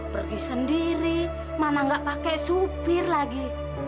pergi sendiri mana gak pake supir lagi